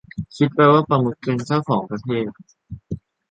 คิดไปว่าประมุขเป็นเจ้าของประเทศ